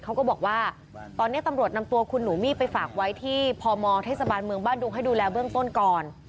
เขาก็บอกว่าตอนนี้ตำรวจนำตัวคุณหนูมี่ไปฝากไว้ที่พมเทศบาลเมืองบ้านดุงให้ดูแลเบื้องต้นก่อน